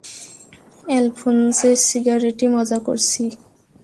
Alphonso সিগারেটি মজা করছি।